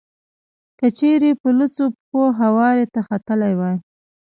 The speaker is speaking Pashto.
که چېرې په لوڅو پښو هوارې ته ختلی وای.